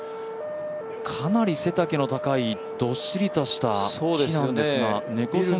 かなり背丈の高いどっしりとした木なんですが、根こそぎ。